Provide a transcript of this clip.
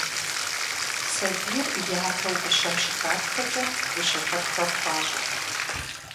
Сабийр япэу гущэм щыхапхэкӀэ гущэхэпхэ хуащӀырт.